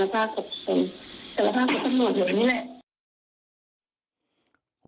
อ๋อกับเพื่อนกล้องอีกทีนึง